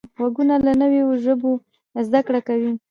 غوږونه له نوو ژبو زده کړه کوي